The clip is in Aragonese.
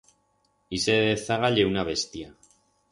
Ixe de dezaga ye una bestia.